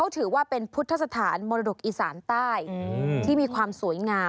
ถือว่าเป็นพุทธสถานมรดกอีสานใต้ที่มีความสวยงาม